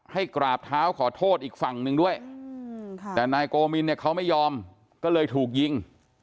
ให้กราบเท้าขอโทษอีกฝั่งหนึ่งด้วยแต่นายโกมินเนี่ยเขาไม่ยอมก็เลยถูกยิง